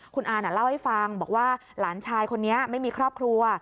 คุณอาเล่าให้ฟังบอกว่าหลานชายคนนี้ไม่มีครอบครัว